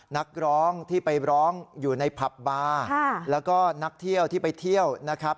นักร้องที่ไปร้องอยู่ในผับบาร์แล้วก็นักเที่ยวที่ไปเที่ยวนะครับ